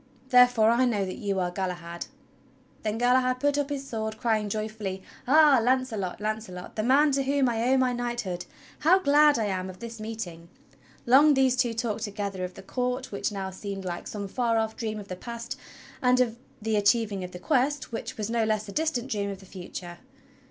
Therefore I know that you are Galahad!" Then Galahad put up his sword crying joyfully: "Ah ! Launcelot, Launcelot, the man to whom I owe my knighthood ! How glad I am of this meeting!" Long these two talked together — of the court which now seemed like some far off dream of the past, and of the achieving of the Quest which was no less a distant dream of the future.